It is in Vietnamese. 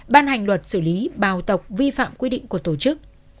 ban hành luật xử lý bào tộc vi phạm quy định của tổ chức